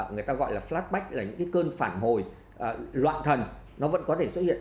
người ta gọi là flashback là những cơn phản hồi loạn thần